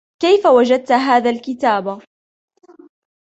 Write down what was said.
كيف وجدت هذا الكتاب ؟